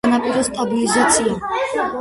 სანაპიროს სტაბილიზაცია